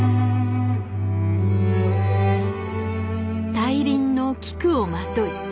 大輪の菊をまとい